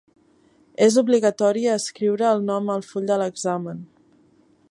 És obligatori escriure el nom al full de l'examen!